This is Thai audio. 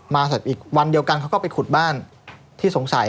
เสร็จอีกวันเดียวกันเขาก็ไปขุดบ้านที่สงสัย